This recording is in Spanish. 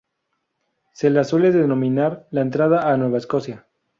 Se la suele denominar "la entrada a Nueva Escocia".